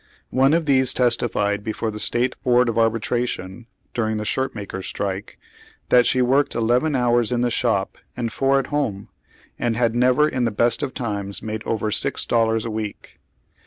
One of these testified before the State Board of Arbitration, during the shirt makers' strike, that she worked eleven hours in tlie shop and four at home, and had never in the best of times made over six dollars a week.